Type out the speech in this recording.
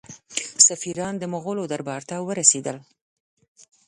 سفیران د مغولو دربار ته ورسېدل.